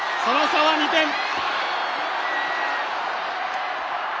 その差は２点！